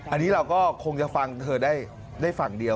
อันนี้เราก็คงจะฟังเธอได้ฝั่งเดียว